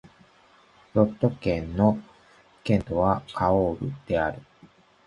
ロット県の県都はカオールである